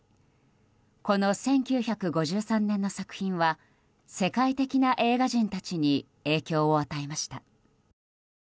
この１９５３年の作品は世界的な映画人たちに影響を与えました。